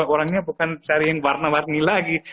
orangnya bukan cari yang warna warni lagi